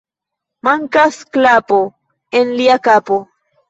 Mankas klapo en lia kapo.